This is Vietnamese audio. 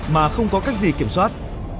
mà không có cách gì kiểm soát